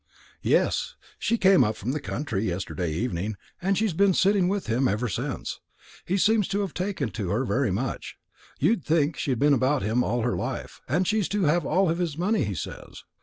"Yes; she came up from the country yesterday evening, and she's been sitting with him ever since. He seems to have taken to her very much. You'd think she'd been about him all her life; and she's to have all his money, he says.